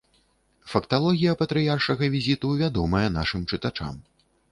Факталогія патрыяршага візіту вядомая нашым чытачам.